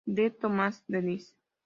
D. Tomas Deniz.